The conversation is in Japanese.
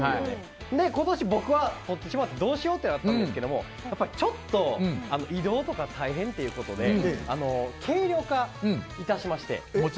今年、僕はどうしようってなったんですけどやっぱり、ちょっと移動とか大変ということで軽量化いたしまして。